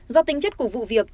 do tính chất của vụ việc